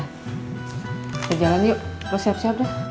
kita jalan yuk mau siap siap dah